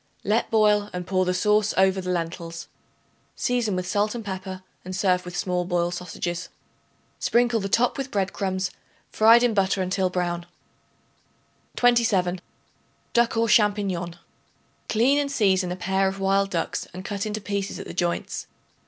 Let boil and pour the sauce over the lentils. Season with salt and pepper, and serve with small boiled sausages. Sprinkle the top with bread crumbs fried in butter until brown. 27. Duck aux Champignons. Clean and season a pair of wild ducks and cut into pieces at the joints.